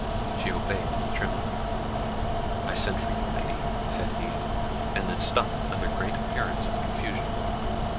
She obeyed trembling. "I sent for you, Lady," said he—and then stopped under great appearance of confusion.